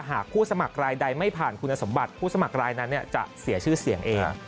หากผู้สมัครรายใดไม่ผ่านคุณสมบัติผู้สมัครรายนั้นจะเสียชื่อเสียงเอง